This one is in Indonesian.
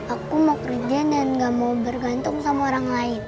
aku mau kerja dan gak mau bergantung sama orang lain